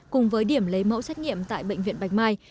cùng với điểm lấy mẫu xét nghiệm tại bệnh viện bạch mai